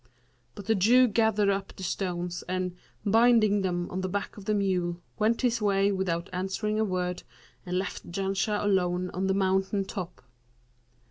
But the Jew gathered up the stones and, binding them on the back of the mule, went his way without answering a word and left Janshah alone on the mountain top.